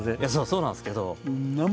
そうなんですけど。